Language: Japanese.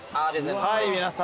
はい皆さん。